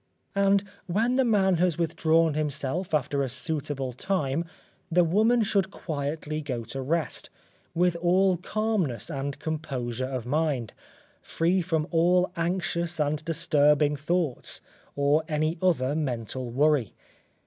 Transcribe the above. And when the man has withdrawn himself after a suitable time, the woman should quietly go to rest, with all calmness and composure of mind, free from all anxious and disturbing thoughts, or any other mental worry.